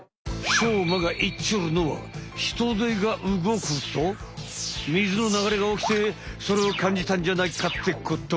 しょうまが言っちょるのはヒトデがうごくと水の流れがおきてそれを感じたんじゃないかってこと。